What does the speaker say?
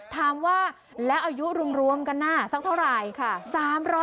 ถามว่าแล้วอายุรวมกันน่ะสักเท่าไหร่